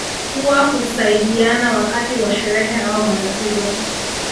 Huwa husaidiana wakati wa sherehe au matatizo